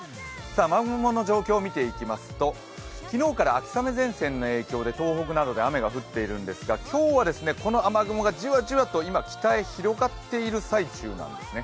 雨雲の状況を見ていきますと昨日から秋雨前線の影響で東北などで雨が降っているんですけど、今日はこの雨雲がじわじわと北へ広がっている最中なんですね。